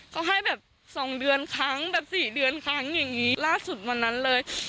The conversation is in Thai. เขาให้แบบ๒เดือนครั้งแบบ๔เดือนครั้งอย่างนี้ล่าสุดวันนั้นเลย